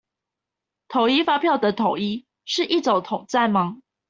統一發票的統一，是一種統戰嗎？